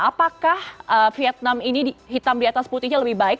apakah vietnam ini hitam di atas putihnya lebih baik